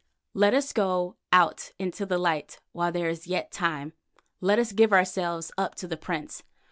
Let us go out into the light while there is yet time. Let us give ourselves up to the Prince.